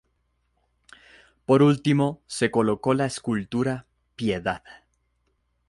Por último, se colocó la escultura "Piedad.